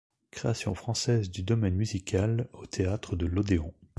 Création française du Domaine musical, au Théâtre de l'Odéon.